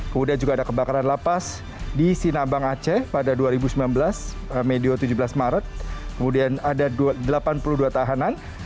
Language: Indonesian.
kemudian juga ada kebakaran lapas di sinabang aceh pada dua ribu sembilan belas medio tujuh belas maret kemudian ada delapan puluh dua tahanan